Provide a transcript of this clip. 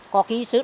có khí sứt